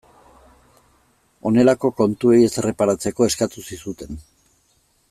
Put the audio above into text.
Honelako kontuei ez erreparatzeko eskatu zizuten.